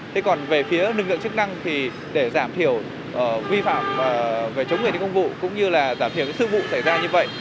thế còn về phía năng lượng chức năng thì để giảm thiểu vi phạm về chống đối lực công vụ cũng như là giảm thiểu sự vụ xảy ra như vậy